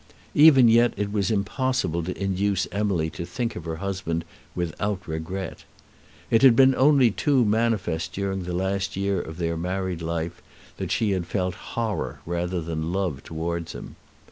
Even yet it was impossible to induce Emily to think of her husband without regret. It had been only too manifest during the last year of their married life that she had felt horror rather than love towards him.